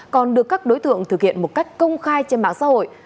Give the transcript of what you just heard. còn được các đối tượng thực hiện một cách công khai trên mạng xã hội